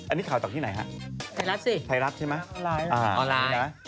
อันนี้ข่าวจากที่ไหนฮะไทรัศน์ใช่ไหมออนไลน์